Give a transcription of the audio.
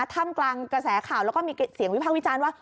ท่ามกลางกระแสข่าวแล้วก็มีเสียงวิพากษ์วิจารณ์ว่า